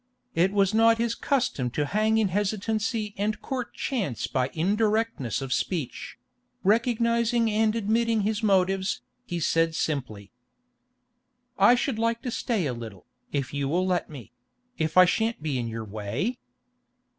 It was not his custom to hang in hesitancy and court chance by indirectness of speech; recognising and admitting his motives, he said simply: 'I should like to stay a little, if you will let me—if I shan't be in your way?